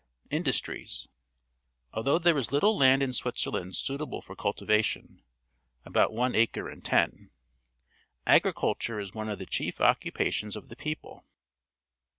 Industries. — .Although there is little land in Switzerland suitable for cultivation — about one acre in ten^agriculture is one of the chief occupations of the people.